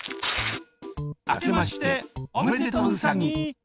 あけましておめでとうさぎ！